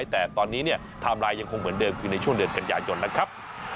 แต่ตอนนี้ไทม์ไลน์ยังคงเหมือนเดิมคือในช่วงเดือนกันยายนนะครับ